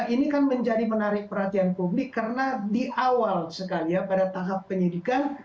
ini kan menjadi menarik perhatian publik karena di awal sekali ya pada tahap penyidikan